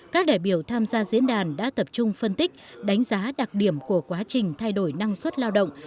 các đại biểu tham gia diễn đàn đã tập trung phân tích đánh giá đặc điểm của quá trình thay đổi năng suất lao động